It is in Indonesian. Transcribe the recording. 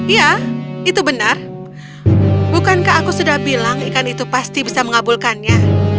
ya itu benar bukankah aku sudah bilang ikan itu pasti bisa mengabulkannya